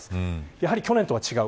やはり去年とは違う。